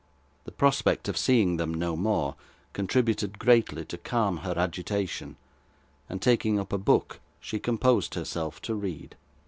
The prospect of seeing them no more, contributed greatly to calm her agitation, and, taking up a book, she composed herself to read.